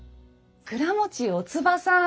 倉持よつばさん。